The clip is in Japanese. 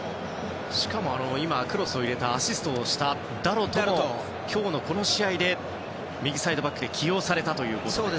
しかもアシストをしたダロトも今日のこの試合で右サイドバックで起用されたということで。